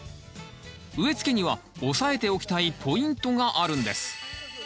植えつけには押さえておきたいポイントがあるんです。